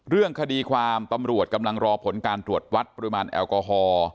เรื่องคดีความตำรวจกำลังรอผลการตรวจวัดปริมาณแอลกอฮอล์